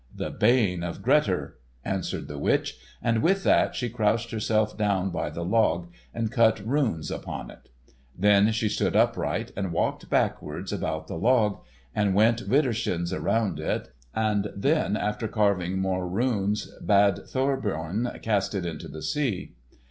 "The bane of Grettir," answered the witch, and with that she crouched herself down by the log and cut runes upon it. Then she stood upright and walked backwards about the log, and went widdershins around it, and then, after carving more runes, bade Thorbjorn cast it into the sea.